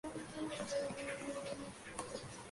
Las patas son oscuras.